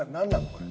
これ。